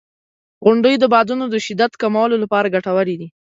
• غونډۍ د بادونو د شدت کمولو لپاره ګټورې دي.